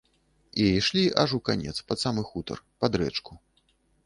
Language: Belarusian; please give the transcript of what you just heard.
І ішлі аж у канец, пад самы хутар, пад рэчку.